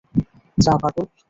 যা, পাগল।